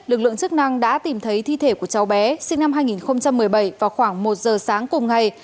lực lượng chức năng đã tìm thấy thi thể của cháu bé sinh năm hai nghìn một mươi bảy vào khoảng một giờ sáng cùng ngày